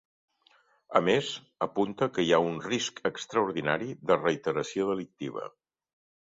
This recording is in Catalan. A més, apunta que hi ha un ‘risc extraordinari’ de reiteració delictiva.